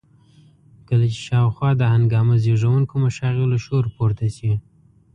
کله چې شاوخوا د هنګامه زېږوونکو مشاغلو شور پورته شي.